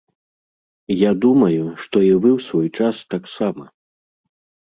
Я думаю, што і вы ў свой час таксама.